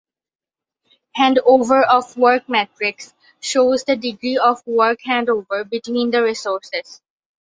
Handover of work matrix shows the degree of work handover between the resources.